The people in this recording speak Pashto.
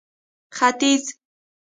ختيځ